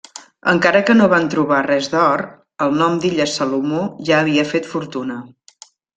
Encara que no van trobar res d'or, el nom d'illes Salomó ja havia fet fortuna.